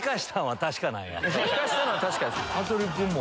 ・引かせたのは確かです。